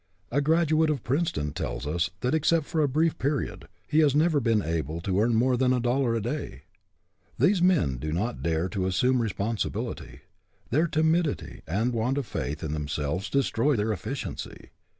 A graduate of Princeton tells us that, except for a brief period, he has never been able to earn more than a dollar a day. These men do not dare to assume responsibility. Their timidity and want of faith in themselves destroy their efficiency.